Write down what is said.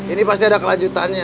ini pasti ada kelanjutannya